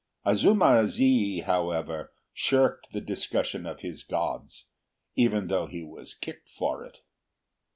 Azuma zi, however, shirked the discussion of his gods, even though he was kicked for it.